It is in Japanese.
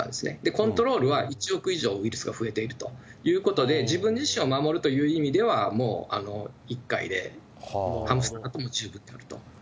コントロールは１億以上ウイルスが増えているということで、自分自身を守るという意味では、もう１回で、ハムスターなんかも十分ということ。